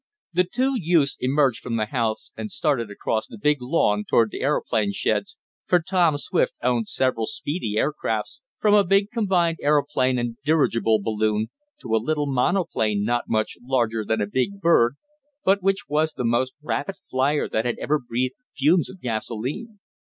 The two youths emerged from the house and started across the big lawn toward the aeroplane sheds, for Tom Swift owned several speedy aircrafts, from a big combined aeroplane and dirigible balloon, to a little monoplane not much larger than a big bird, but which was the most rapid flier that ever breathed the fumes of gasolene.